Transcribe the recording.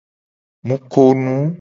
Mu ko nu.